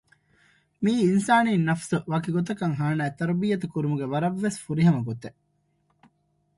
މިއީ އިންސާނީ ނަފުސު ވަކިގޮތަކަށް ހާނައި ތަރްބިޔަތު ކުރުމުގެ ވަރަށްވެސް ފުރިހަމަ ގޮތެއް